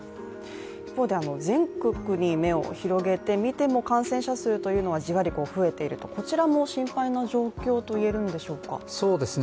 一方で全国に目を広げてみても感染者数というのはじわり増えていると、こちらも心配な状況といえるんでしょうか？